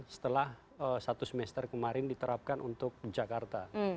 setelah satu semester kemarin diterapkan untuk jakarta